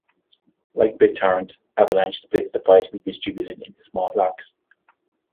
Like BitTorrent, Avalanche splits the file to be distributed into small blocks.